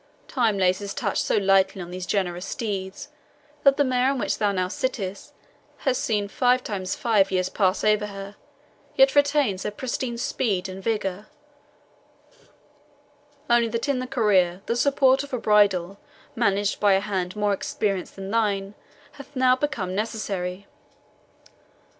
Time lays his touch so lightly on these generous steeds, that the mare on which thou now sittest has seen five times five years pass over her, yet retains her pristine speed and vigour, only that in the career the support of a bridle, managed by a hand more experienced than thine, hath now become necessary.